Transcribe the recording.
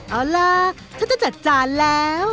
เอาล่ะฉันจะจัดจานแล้ว